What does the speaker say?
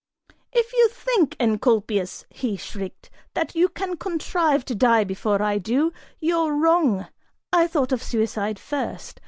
"If you think, Encolpius," he shrieked, "that you can contrive to die before I do, you're wrong! I thought of suicide first.